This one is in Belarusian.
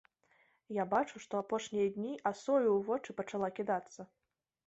Я бачу, што апошнія дні асою ў вочы пачала кідацца!